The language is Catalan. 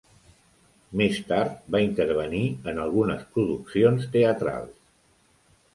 Més tard, va intervenir en algunes produccions teatrals.